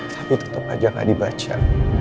tapi tetap aja gak dibaca